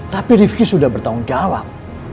tapi rifki sudah bertanggung jawab